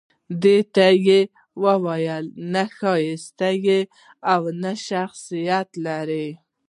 دې ته يې وويل نه ښايسته يې او نه شخصيت لرې